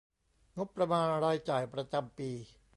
งบประมาณรายจ่ายประจำปี